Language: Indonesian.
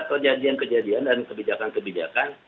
kejadian kejadian dan kebijakan kebijakan